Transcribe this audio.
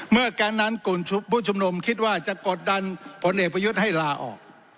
เมื่อการนั้นผู้ชุมนมคิดว่าจะกดดันผลเอกประยุทธ์ให้ลาออก